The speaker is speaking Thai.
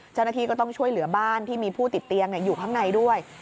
เจ้าหน้าที่ก็ต้องช่วยเหลือบ้านที่มีผู้ติดเตียงอยู่ข้างในด้วย